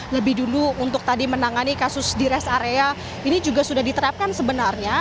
lebih dulu untuk tadi menangani kasus di rest area ini juga sudah diterapkan sebenarnya